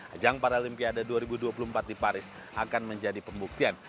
ajang paralimpiade dua ribu dua puluh empat di paris akan menjadi pembuktian